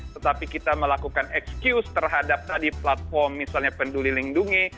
tetapi kita melakukan excuse terhadap tadi platform misalnya penduli lindungi